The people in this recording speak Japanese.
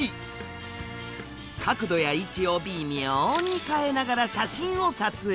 角度や位置を微妙に変えながら写真を撮影。